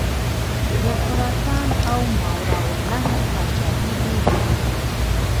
د خراسان او ماوراءالنهر پاچهي بېلې وې.